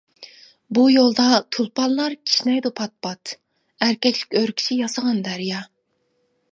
بۇ يولدا تۇلپارلار كىشنەيدۇ پات-پات، ئەركەكلىك ئۆركىشى ياسىغان دەريا.